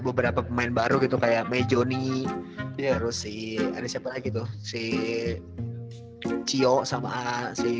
beberapa pemain baru gitu kayak mejoni dia harus si ada siapa lagi tuh sih cio sama si